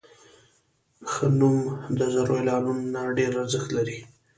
ښه نوم د زرو اعلانونو نه ډېر ارزښت لري.